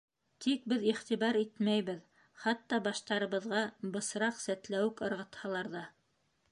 Тик беҙ иғтибар итмәйбеҙ, хатта баштарыбыҙға бысраҡ, сәтләүек ырғытһалар ҙа.